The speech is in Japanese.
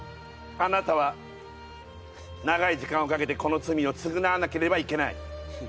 あなたは長い時間をかけてこの罪を償わなければいけない